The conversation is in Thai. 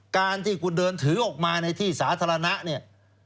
การที่คุณเดินถือออกมาในที่สาธารณะเนี่ย